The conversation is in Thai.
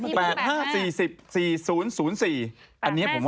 พูดไปเมื่อกี้๘๕แล้วพี่พูด๘๕